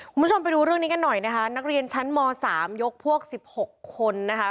คุณผู้ชมไปดูเรื่องนี้กันหน่อยนะคะนักเรียนชั้นม๓ยกพวกสิบหกคนนะคะ